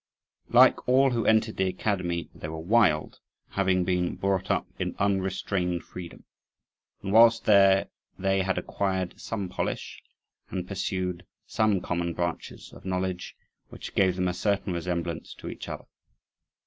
Like all who entered the academy, they were wild, having been brought up in unrestrained freedom; and whilst there they had acquired some polish, and pursued some common branches of knowledge which gave them a certain resemblance to each other.